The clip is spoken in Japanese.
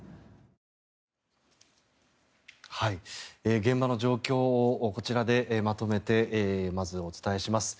現場の状況をこちらでまとめてまず、お伝えします。